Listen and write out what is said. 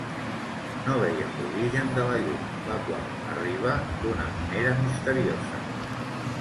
No veiem l'origen de la llum, la qual, arriba d'una manera misteriosa.